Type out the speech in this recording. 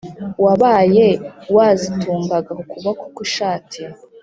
wabaye wazitungaga ku kuboko kw’ishati ?